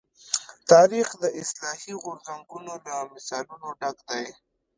تاریخ د اصلاحي غورځنګونو له مثالونو ډک دی.